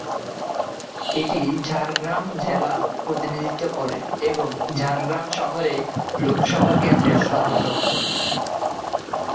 এটি ঝাড়গ্রাম জেলা প্রতিনিধিত্ব করে এবং ঝাড়গ্রাম শহরে লোকসভা কেন্দ্রের সদর দফতর।